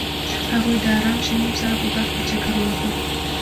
هغوی د آرام شمیم سره په باغ کې چکر وواهه.